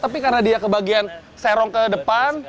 tapi karena dia ke bagian serong ke depan